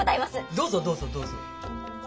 どうぞどうぞどうぞ。